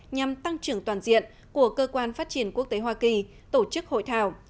nhằm tăng trưởng toàn diện của cơ quan phát triển quốc tế hoa kỳ tổ chức hội thảo